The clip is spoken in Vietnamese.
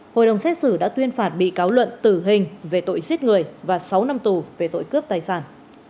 hội đồng xét xử đã tuyên phạt bị cáo luận tử hình về tội giết người và sáu năm tù về tội cướp tài sản